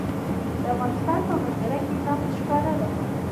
د افغانستان په منظره کې نفت ښکاره ده.